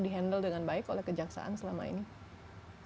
di handle dengan baik oleh kejaksaan selama ini